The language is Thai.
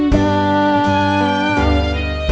ดก